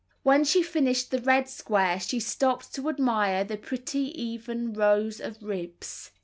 When she finished the red square she stopped to admire the pretty even rows of ribs.